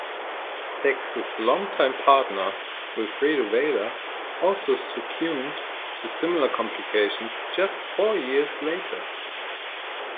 Sex's longtime partner, Wilfredo Vela, also succumbed to similar complications just four years later.